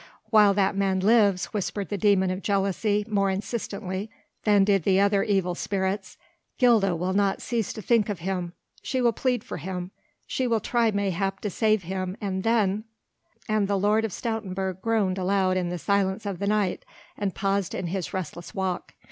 "While that man lives," whispered the demon of jealousy more insistently than did the other evil spirits, "Gilda will not cease to think of him, she will plead for him, she will try mayhap to save him and then " And the Lord of Stoutenburg groaned aloud in the silence of the night, and paused in his restless walk.